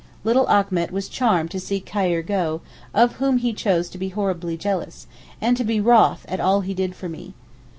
Little Achmet was charmed to see Khayr go, of whom he chose to be horribly jealous, and to be wroth at all he did for me.